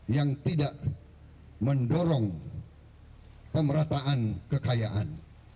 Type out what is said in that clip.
yang tidak mendorong pemerataan kekayaan